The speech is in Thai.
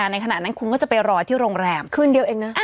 ในขณะนั้นคุณก็จะไปรอที่โรงแรมคืนเดียวเองนะ